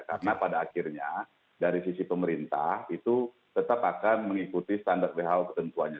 karena pada akhirnya dari sisi pemerintah itu tetap akan mengikuti standar who ketentuannya